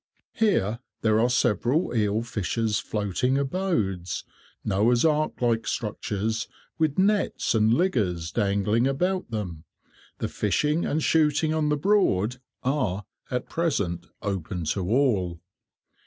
Here there are several eel fishers' floating abodes, Noah's ark like structures, with nets and "liggers" dangling about them. The fishing and shooting on the Broad are, at present, open to all.